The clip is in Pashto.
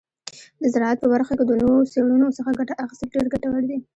د زراعت په برخه کې د نوو څیړنو څخه ګټه اخیستل ډیر ګټور دي.